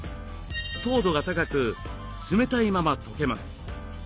糖度が高く冷たいままとけます。